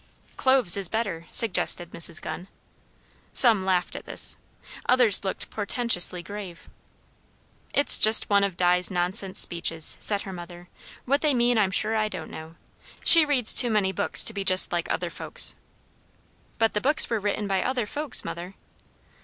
"Cloves is better," suggested Miss Gunn. Some laughed at this; others looked portentously grave. "It's just one o' Di's nonsense speeches," said her mother; "what they mean I'm sure I don't know. She reads too many books to be just like other folks." "But the books were written by other folks, mother."